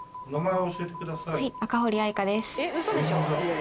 えっウソでしょ？